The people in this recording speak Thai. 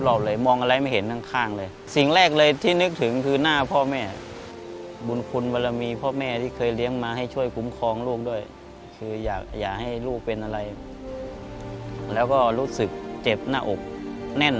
แล้วก็รู้สึกเจ็บหน้าอกแน่น